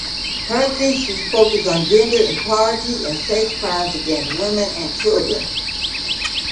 Her thesis focused on gender equality and sex crimes against women and children.